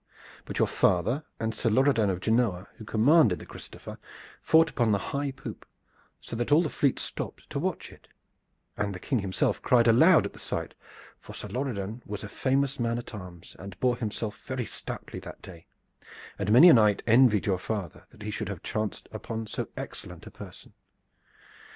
"But your father and Sir Lorredan of Genoa, who commanded the Christopher, fought upon the high poop, so that all the fleet stopped to watch it, and the King himself cried aloud at the sight, for Sir Lorredan was a famous man at arms and bore himself very stoutly that day, and many a knight envied your father that he should have chanced upon so excellent a person.